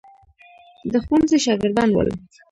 د ښوونځي شاګردان ول.